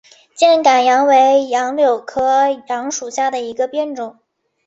箭杆杨为杨柳科杨属下的一个变种。